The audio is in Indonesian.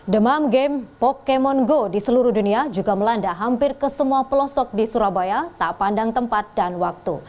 demam game pokemon go di seluruh dunia juga melanda hampir ke semua pelosok di surabaya tak pandang tempat dan waktu